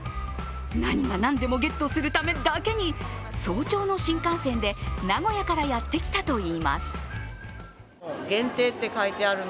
何が何でもゲットするためだけに早朝の新幹線で名古屋からやってきたといいます。